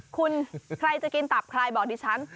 คุณใครจะกินตับใครบอกดิฉัน